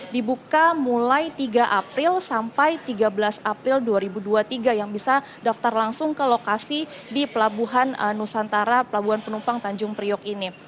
dibuka mulai tiga april sampai tiga belas april dua ribu dua puluh tiga yang bisa daftar langsung ke lokasi di pelabuhan nusantara pelabuhan penumpang tanjung priok ini